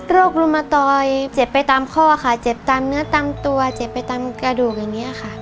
รุมตอยเจ็บไปตามข้อค่ะเจ็บตามเนื้อตามตัวเจ็บไปตามกระดูกอย่างนี้ค่ะ